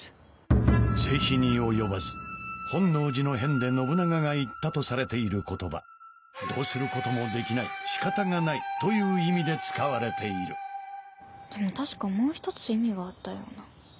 本能寺の変で信長が言ったとされている言葉どうすることもできない仕方がないという意味で使われているでも確かもう１つ意味があったような。